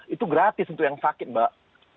itu gratis untuk yang sakit mbak